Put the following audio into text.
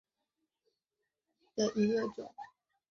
齿叶安息香为安息香科安息香属下的一个种。